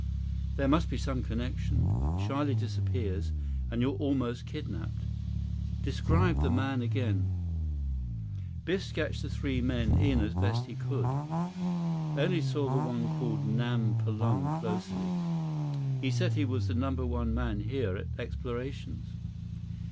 "There must be some connection. Charlie disappears, and you're almost kidnaped. Describe the man again." Biff sketched the three men in as best he could. "I only saw the one called Nam Pulang closely. He said he was the Number One man here at Explorations."